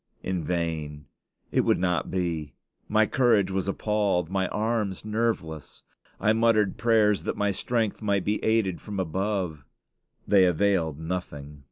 In vain; it would not be; my courage was appalled, my arms nerveless. I muttered prayers that my strength might be aided from above. They availed nothing.